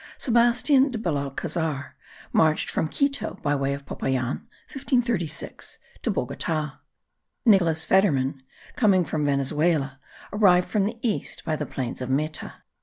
Sebastian de Belalcazar marched from Quito by way of Popayan (1536) to Bogota; Nicholas Federmann, coming from Venezuela, arrived from the east by the plains of Meta.